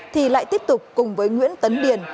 thì lại tiếp tục cùng với nguyễn tấn điền